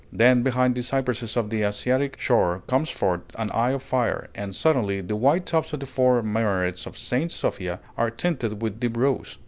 Then behind the cypresses of the Asiatic shore comes forth an eye of fire, and suddenly the white tops of the four minarets of Saint Sophia are tinted with deep rose.